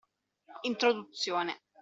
Introduzione.